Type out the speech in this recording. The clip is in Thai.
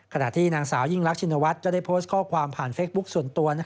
ขณะที่หนังเสายิ่งลักษณวร์ชินวัตก็ได้โพสต์ข้อความผ่านเฟซบุกส่วนตัว